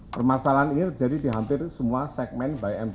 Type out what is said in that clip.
permasalahan ini terjadi di hampir semua segmen by mpr